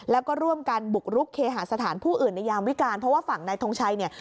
แล้วก็ร่วมกันบุกรุกเคหาสถานผู้อื่นในยามวิการเพราะว่าฝั่งนายทงชัยเนี่ย